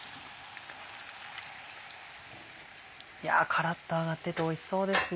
カラっと揚がってておいしそうですね。